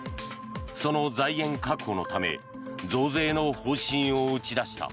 その財源確保のため増税の方針を打ち出した。